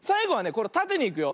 これたてにいくよ。